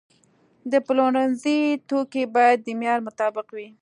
د پلورنځي توکي باید د معیار مطابق وي.